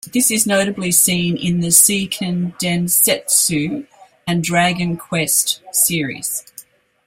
This is notably seen in the "Seiken Densetsu" and "Dragon Quest" series.